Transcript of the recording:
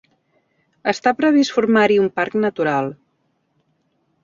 Està previst formar-hi un parc natural.